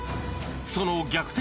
その逆転